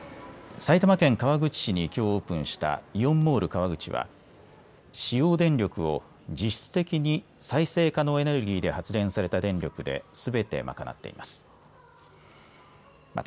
埼玉県川口市にきょうオープンしたイオンモール川口は使用電力を実質的に再生可能エネルギーで発電された電力ですべて賄っています。